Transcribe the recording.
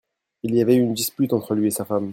Il y avait eu une dispute entre lui et sa femme.